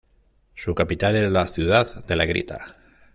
Su capital es la ciudad de La Grita.